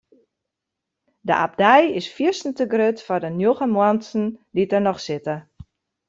De abdij is fierstente grut foar de njoggen muontsen dy't der noch sitte.